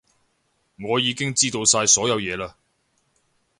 我已經知道晒所有嘢嘞